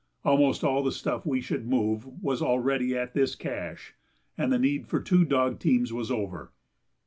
Almost all the stuff we should move was already at this cache, and the need for the two dog teams was over.